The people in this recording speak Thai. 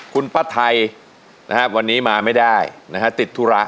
คุณป้าไทยนะครับวันนี้มาไม่ได้นะฮะติดธุระ